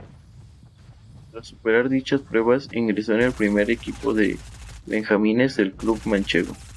Tras superar dichas pruebas, ingresó en el primer equipo de benjamines del club manchego.